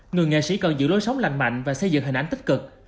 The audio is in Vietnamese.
người nghệ sĩ cần giữ lối sống lành mạnh và xây dựng hình ảnh tích cực